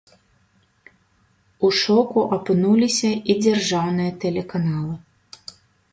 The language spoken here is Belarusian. У шоку апынуліся і дзяржаўныя тэлеканалы.